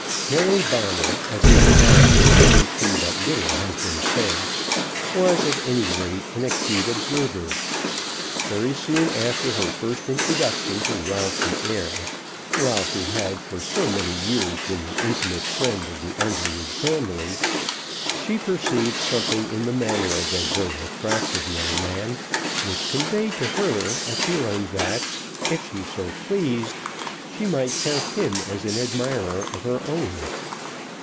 Mary Bonner, of whose character hitherto but little has been said, was, at any rate, an acute observer. Very soon after her first introduction to Ralph the heir, Ralph who had for so many years been the intimate friend of the Underwood family, she perceived something in the manner of that very attractive young man which conveyed to her a feeling that, if she so pleased, she might count him as an admirer of her own.